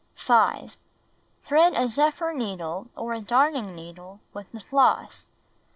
5. Thread a zephyr needle or a darning needle with the floss.